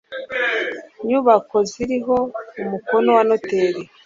nyubako ziriho umukono wa noteri